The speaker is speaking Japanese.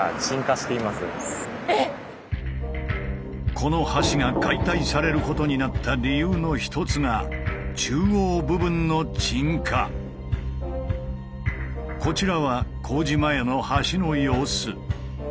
この橋が解体されることになった理由の一つがこちらは工事前の橋の様子。